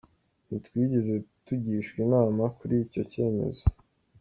Ntitwigeze tugishwa inama kuri icyo cyemezo.